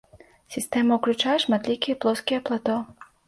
Сістэма ўключае шматлікія плоскія плато.